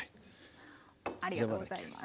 ありがとうございます。